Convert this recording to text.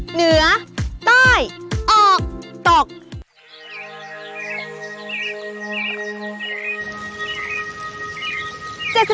เหนือใต้ออกตก